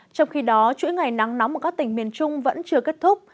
trong khi đó chuỗi ngày nắng nóng ở các tỉnh miền trung vẫn chưa kết thúc